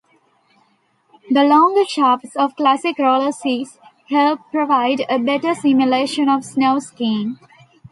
The longer shafts of classic rollerskis help provide a better simulation of snow skiing.